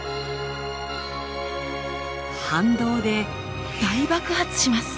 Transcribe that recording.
反動で大爆発します。